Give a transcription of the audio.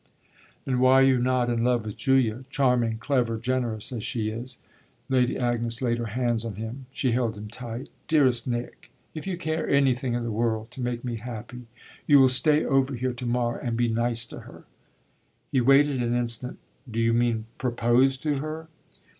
"And why are you not in love with Julia charming, clever, generous as she is?" Lady Agnes laid her hands on him she held him tight. "Dearest Nick, if you care anything in the world to make me happy you'll stay over here to morrow and be nice to her." He waited an instant. "Do you mean propose to her?"